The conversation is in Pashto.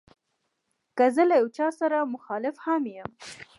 که زه له یو چا سره مخالف هم یم.